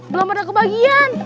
belum ada kebagian